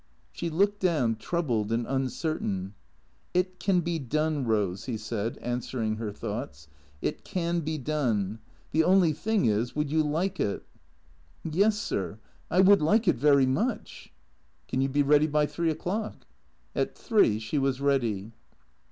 " She looked down, troubled and uncertain. " It can be done, Eose," he said, answering her thoughts. " It can be done. The only thing is, would you like it ?"" Yes, sir, I would like it very much." " Can you be ready by three o'clock ?" At three she was ready.